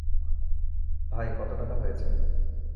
ভাই, কতো টাকা হয়েছে?